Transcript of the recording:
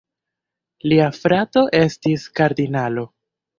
Lia frato estis kardinalo.